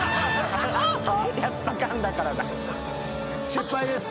失敗です。